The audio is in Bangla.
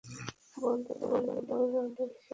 বোলিং অল-রাউন্ডার হিসেবে খেলোয়াড়ী জীবন শুরু করেন।